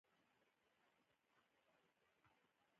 ښه نیت د بریا رمز دی.